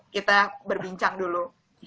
kita berbincang dulu